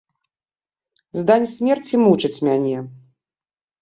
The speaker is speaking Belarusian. Здань смерці мучыць мяне.